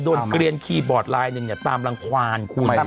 โดนเกรียญคีย์บอร์ดไลน์เนี่ยตามรางความคุณ